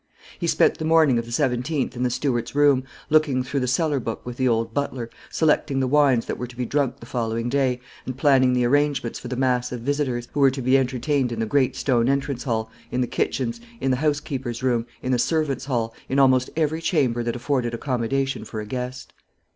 He spent the morning of the 17th in the steward's room, looking through the cellar book with the old butler, selecting the wines that were to be drunk the following day, and planning the arrangements for the mass of visitors, who were to be entertained in the great stone entrance hall, in the kitchens, in the housekeeper's room, in the servants' hall, in almost every chamber that afforded accommodation for a guest.